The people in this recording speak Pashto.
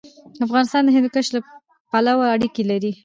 افغانستان د هندوکش پلوه اړیکې لري.